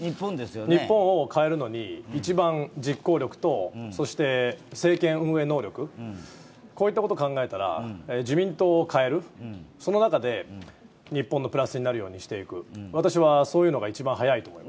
日本を変えるのに一番実効力と、そして政権運営能力、こういったことを考えたら自民党を変えるその中で日本のプラスになるようにしていく、私はそういうのが一番早いと思います。